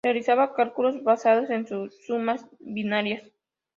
Realizaba cálculos basados en sumas binarias.